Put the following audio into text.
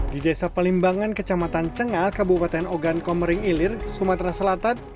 di desa pelimbangan kecamatan cengal kabupaten ogan komering ilir sumatera selatan